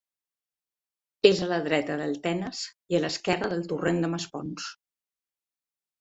És a la dreta del Tenes i a l'esquerra del Torrent Masponç.